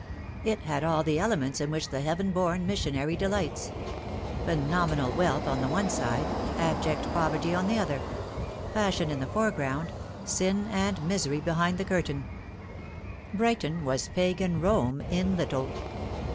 It had all the elements in which the heaven born mission ary delights. Phenomenal wealth on the one side, abject poverty on the other ; fashion in the foreground, sin and misery behind the curtain. Brighton was Pagan Rome in little.